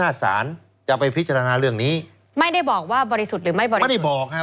พูดง่ายยังไม่ได้นำสืบเลย